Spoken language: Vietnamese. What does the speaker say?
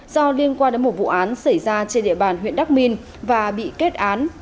do liên quan đến một vụ án xảy ra trên địa bàn huyện đắk minh và bị kết án